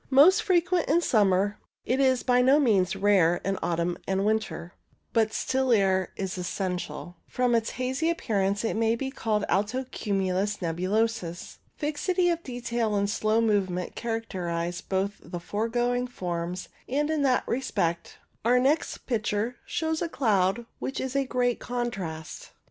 Most frequent in summer, it is by no means rare in autumn and winter, but still air is essential. From its hazy appearance it may be called alto cumulus nebulosus. Fixity of detail and slow movement characterize both the foregoing forms, and in that respect our next picture (Plate 72) shows a cloud which is a great contrast.